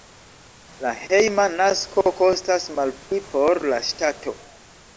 La hejma nasko kostas malpli por la ŝtato.